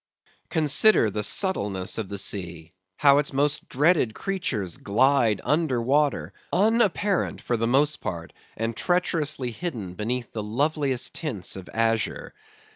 Consider the subtleness of the sea; how its most dreaded creatures glide under water, unapparent for the most part, and treacherously hidden beneath the loveliest tints of azure.